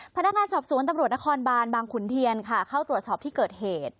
พนักงานสอบสวนตำรวจนครบานบางขุนเทียนค่ะเข้าตรวจสอบที่เกิดเหตุ